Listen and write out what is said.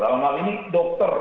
dalam hal ini dokter